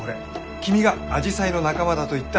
君がアジサイの仲間だと言った花だ。